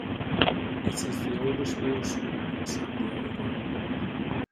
It is the oldest law school in San Diego.